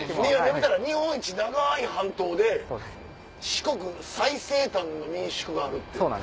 見たら日本一長い半島で四国最西端の民宿があるって。